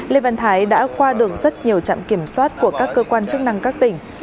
lê văn thái đã qua được rất nhiều trạm kiểm soát của các cơ quan chức năng các tỉnh